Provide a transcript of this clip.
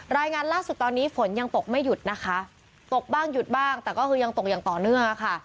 รายงานล่าสุดตอนนี้ฝนยังตกไม่หยุดนะคะตกบ้างหยุดบ้างแต่ก็คือยังตกอย่างต่อเนื่องค่ะ